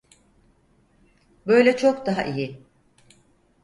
Böyle çok daha iyi.